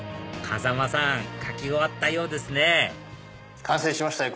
風間さん描き終わったようですね完成しましたよ